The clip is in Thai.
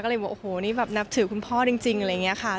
ก็เลยบอกโอ้โหนี่แบบนับถือคุณพ่อจริงอะไรอย่างนี้ค่ะ